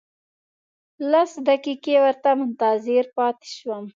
لس دقیقې ورته منتظر پاتې شوم.